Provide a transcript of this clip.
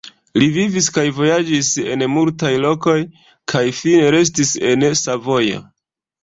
Li vivis kaj vojaĝis en multaj lokoj kaj fine restis en Savojo.